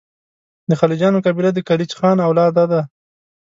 د خلجیانو قبیله د کلیج خان اولاد ده.